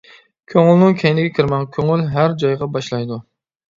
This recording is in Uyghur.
كۆڭۈلنىڭ كەينىگە كىرمەڭ، كۆڭۈل ھەر جايغا باشلايدۇ.